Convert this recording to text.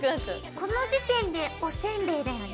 この時点でおせんべいだよね。